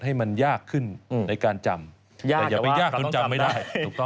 ให้มันยากขึ้นในการจำแต่อย่าไปยากขึ้นจำไม่ได้